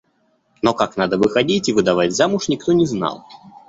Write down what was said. Но как надо выходить и выдавать замуж, никто не знал.